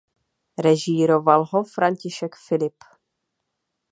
Režíroval ho František Filip.